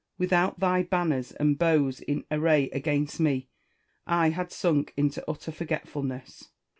Without thy banners and bows in array against me, I had sunk into utter forgetfulness.